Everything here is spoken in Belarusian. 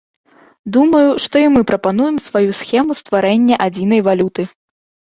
Думаю, што і мы прапануем сваю схему стварэння адзінай валюты.